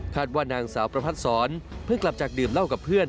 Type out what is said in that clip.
ว่านางสาวประพัดศรเพิ่งกลับจากดื่มเหล้ากับเพื่อน